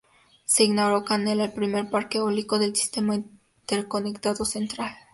Se inauguró Canela, el primer Parque Eólico del Sistema Interconectado Central.